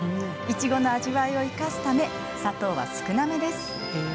いちごの味わいを生かすため砂糖は少なめです。